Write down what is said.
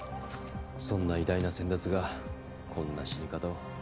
そんな偉大な先達がこんな死に方を。